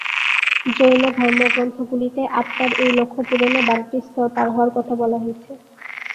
জৈন ধর্মগ্রন্থগুলিতে আত্মার এই লক্ষ্য পূরণে বারোটি স্তর পার হওয়ার কথা বলা হয়েছে।